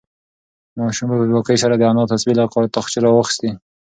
ماشوم په بې باکۍ سره د انا تسبیح له تاقچې راوخیستې.